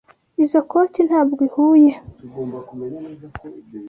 Izoi koti ntabwo ihuye.